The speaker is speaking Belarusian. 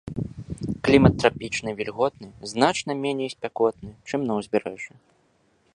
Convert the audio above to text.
Клімат трапічны вільготны, значна меней спякотны, чым на ўзбярэжжы.